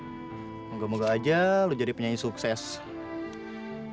jum'at semoga kamu bisa jadi penyanyi tersebut